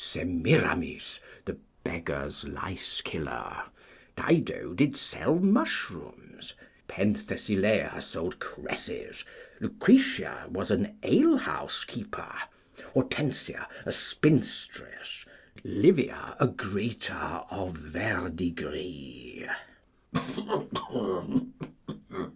Semiramis, the beggars' lice killer. Dido did sell mushrooms. Penthesilea sold cresses. Lucretia was an alehouse keeper. Hortensia, a spinstress. Livia, a grater of verdigris.